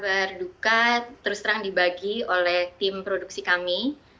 saya mendapatkan kabar duka terus terang dibagi oleh tim produksi kami